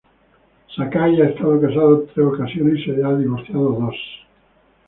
Sakai ha estado casado en tres ocasiones y se divorció dos veces.